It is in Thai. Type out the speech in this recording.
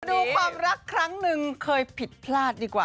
ดูความรักครั้งหนึ่งเคยผิดพลาดดีกว่า